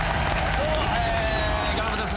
どうもギャロップです。